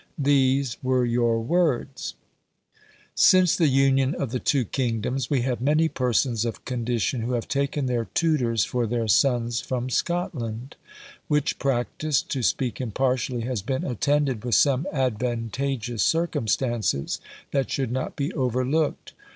These were your words: "Since the union of the two kingdoms, we have many persons of condition, who have taken their tutors for their sons from Scotland; which practice, to speak impartially, has been attended with some advantageous circumstances, that should not be overlooked.